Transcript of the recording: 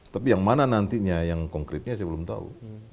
tapi yang mana nantinya yang konkretnya saya belum tahu